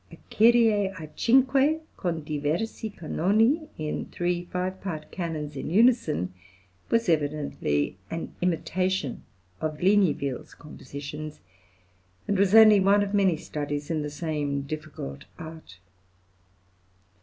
A "Kyrie a cinque con diversi canoni" in three five part canons in unison was evidently an imitation of Ligniville's compositions, and was only one of many studies in the same difficult art.